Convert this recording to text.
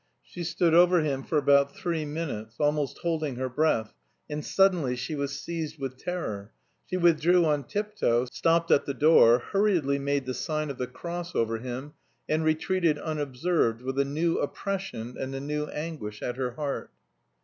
She stood over him for about three minutes, almost holding her breath, and suddenly she was seized with terror. She withdrew on tiptoe, stopped at the door, hurriedly made the sign of the cross over him, and retreated unobserved, with a new oppression and a new anguish at her heart.